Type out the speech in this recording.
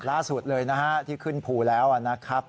ล่าสุดเลยนะฮะที่ขึ้นภูแล้วนะครับ